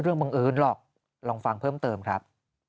บังเอิญหรอกลองฟังเพิ่มเติมครับ